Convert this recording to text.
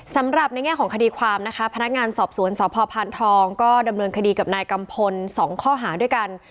สำหรับในแง่ของคดีความนะคะพนักงานสอบสวนสพพานทองก็ดำเนินคดีกับนายกัมพล๒ข้อหาด้วยกัน